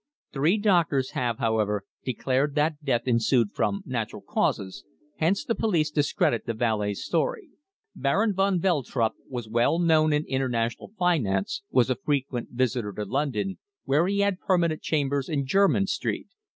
"Three doctors have, however, declared that death ensued from natural causes, hence the police discredit the valet's story. Baron van Veltrup, who was well known in international finance, was a frequent visitor to London, where he had permanent chambers in Jermyn Street.